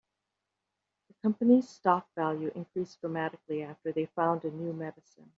The company's stock value increased dramatically after they found a new medicine.